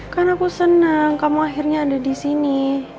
kan aku senang kamu akhirnya ada disini